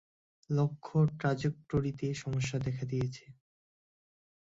Launch ট্র্যাজেক্টোরিতে সমস্যা দেখা দিয়েছে।